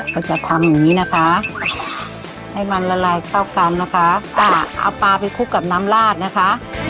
ก็จะทำอย่างงี้นะคะให้มันละลายเข้ากันนะคะอ่าเอาปลาไปคลุกกับน้ำลาดนะคะ